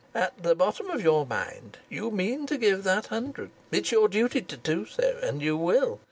"At the bottom of your mind you mean to give that hundred. It's your duty to do so, and you will.